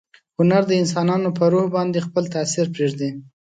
هنر د انسانانو په روح باندې خپل تاثیر پریږدي.